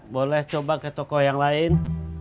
boleh coba ke toko yang lain